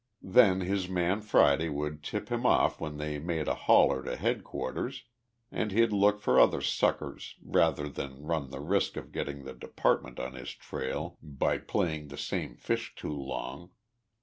Then his Man Friday would tip him off when they made a holler to headquarters and he'd look for other suckers rather than run the risk of getting the department on his trail by playing the same fish too long.